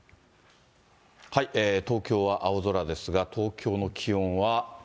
東京は青空ですが、東京の気温は。